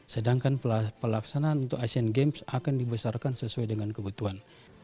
sedangkan pelaksanaan untuk asian games akan dibesarkan sesuai dengan kebutuhan